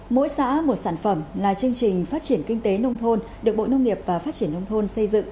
mỗi xã một sản phẩm là chương trình phát triển kinh tế nông thôn được bộ nông nghiệp và phát triển nông thôn xây dựng